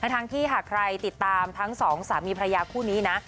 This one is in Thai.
ทั้งที่หากใครติดตามทั้งสองสามีพระยาคู่นี้นะ